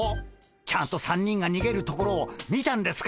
ちゃんと３人がにげるところを見たんですから。